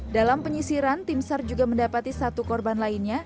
dalam penyisiran tim sar juga mendapati satu korban lainnya